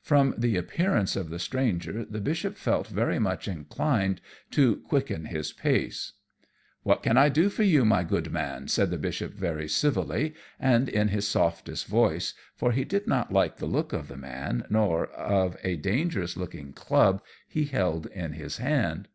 From the appearance of the stranger the Bishop felt very much inclined to quicken his pace. [Illustration: The Bishop and the Highwayman.] "What can I do for you, my good Man?" said the Bishop very civilly, and in his softest voice, for he did not like the look of the man, nor of a dangerous looking club he held in his hand.